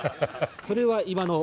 それは今の。